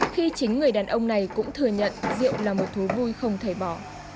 khi chính người đàn ông này cũng thừa nhận rượu là một thú vui không thể bỏ